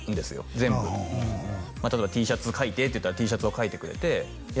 全部例えばＴシャツ描いてって言ったらＴシャツを描いてくれていや